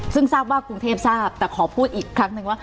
ซึ่งทราบว่ากรุงเทพทราบแต่ขอพูดอีกครั้งนึงว่า